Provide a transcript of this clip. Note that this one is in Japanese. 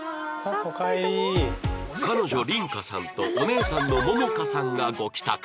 彼女りんかさんとお姉さんのももかさんがご帰宅